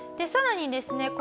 さらにですね